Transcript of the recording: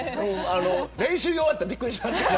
練習用だったらびっくりしますから。